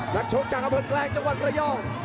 นักโชคจังครับเพิ่งแกล้งจังหวัดกระย่อง